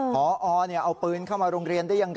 พอเอาปืนเข้ามาโรงเรียนได้ยังไง